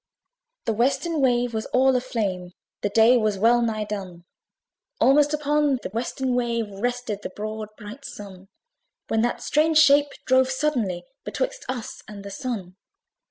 The western wave was all a flame The day was well nigh done! Almost upon the western wave Rested the broad bright Sun; When that strange shape drove suddenly Betwixt us and the Sun.